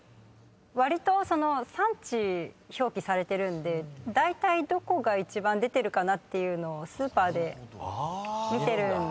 わりと産地表記されてるんでだいたいどこが一番出てるかなっていうのをスーパーで見てるんですよね。